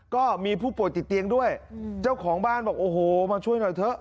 ก็มีผู้ป่วยติดเตียงด้วยเจ้าของบ้านบอกโอ้โหมาช่วยหน่อยเถอะ